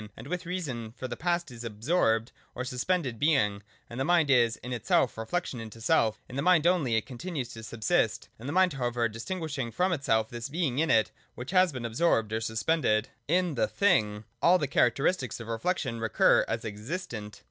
And with reason : for the past is absorbed or suspended being, and the mind is its reflection into self; in the mind only it continues to subsist, — the mind however distinguishing from itself this being in it which has been absorbed or suspended. In the Thing all the characteristics of reflection recur as existent.